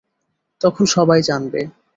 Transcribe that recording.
তখন সবাই জানবে।